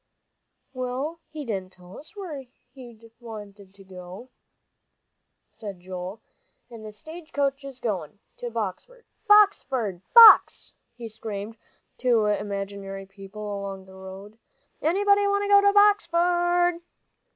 "Well, he didn't tell us where he did want to go," said Joel, "and th' stage is goin' to Boxford. Boxford, Box," he screamed to imaginary people along the road. "Anybody want to go to Boxford?"